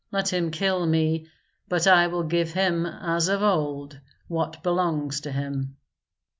Let him kill me, but I will give him, as of old, what belongs to him."